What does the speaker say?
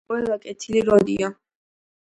ყველა კეთილი როდია